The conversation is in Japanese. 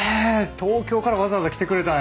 東京からわざわざ来てくれたんや。